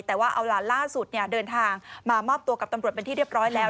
แต่ว่าเอาล่ะล่าสุดเดินทางมามอบตัวกับตำรวจเป็นที่เรียบร้อยแล้ว